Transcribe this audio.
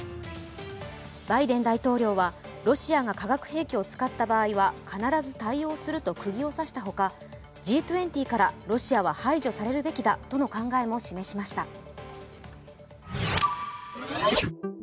バイデン大統領はロシアが化学兵器を使った場合は必ず対応するとくぎを刺したほか、Ｇ２０からロシアは排除されるべきだとの考えも示しました。